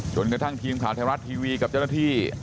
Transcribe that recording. จนกระทั่งทีมผ่าไทยรัชทวีกับเจรที